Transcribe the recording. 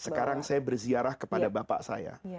sekarang saya berziarah kepada bapak saya